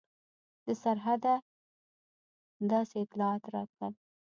د سرحده داسې اطلاعات راتلل.